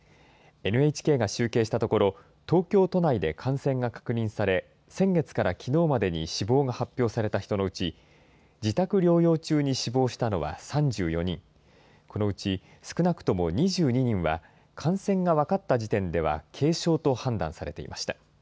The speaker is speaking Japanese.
ＮＨＫが集計したところ、東京都内で感染が確認され、先月からきのうまでに死亡が発表された人のうち、自宅療養中に死亡したのは３４人、このうち少なくとも２２人は、感染が分かった時点では軽症と判断されていました。